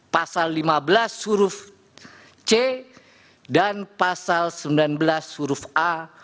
pasal lima belas huruf c dan pasal sembilan belas huruf a